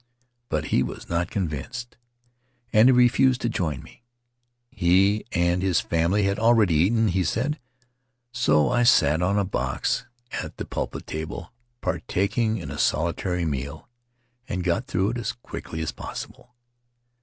But he was not convinced, and he refused to join me. He and his family had already eaten, he said; so I sat on a box The Starry Threshold at the pulpit table, partaking of a solitary meal, and got through with it as quickly as possible.